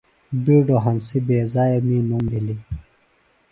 بِیڈوۡ ہنسیۡ بےضائع می نُم بِھلیۡ۔